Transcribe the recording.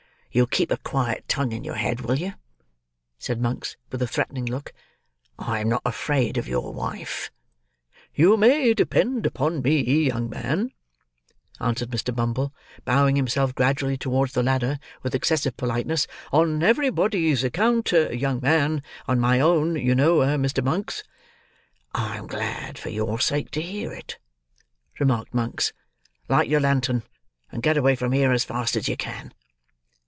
"You'll keep a quiet tongue in your head, will you?" said Monks, with a threatening look. "I am not afraid of your wife." "You may depend upon me, young man," answered Mr. Bumble, bowing himself gradually towards the ladder, with excessive politeness. "On everybody's account, young man; on my own, you know, Mr. Monks." "I am glad, for your sake, to hear it," remarked Monks. "Light your lantern! And get away from here as fast as you can."